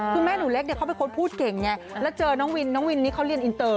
คือแม่หนูเล็กเนี่ยเขาเป็นคนพูดเก่งไงแล้วเจอน้องวินน้องวินนี่เขาเรียนอินเตอร์